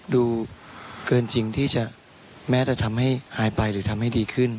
ดูเกินจริงที่จะแม้จะทำให้หายไปหรือทำให้ดีขึ้น